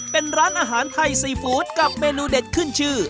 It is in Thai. เป็นร้านอาหารไทยซีฟู้ดกับเมนูเด็ดขึ้นชื่อ